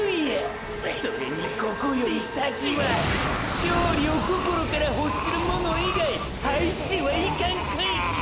それにここより先は勝利を心から欲する者以外入ってはいかん区域や！！